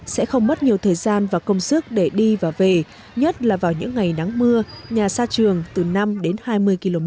sẽ không mất nhiều thời gian và công sức để đi và về nhất là vào những ngày nắng mưa nhà xa trường từ năm đến hai mươi km